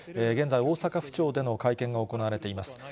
現在、大阪府庁での会見が行われています。